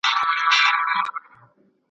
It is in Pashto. حسد انسان هر ډول ازار ته هڅوي.